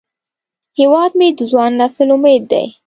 هیواد مې د ځوان نسل امید دی